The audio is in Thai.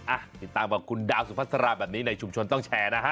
อ่ะติดตามกับคุณดาวสุพัสราแบบนี้ในชุมชนต้องแชร์นะฮะ